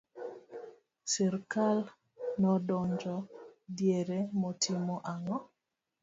srikal nodonjo diere motimo ang'o?